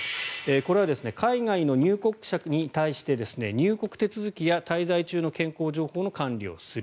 これは海外の入国者に対して入国手続きや滞在中の健康情報の管理をする。